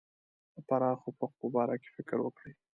د پراخ افق په باره کې فکر وکړي.